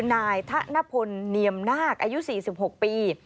นายธนพลเนียมนาคอายุ๔๖ปี